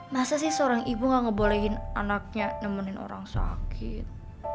masa sih seorang ibu gak ngebolehin anaknya nemenin orang sakit